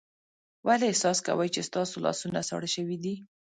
ولې احساس کوئ چې ستاسو لاسونه ساړه شوي دي؟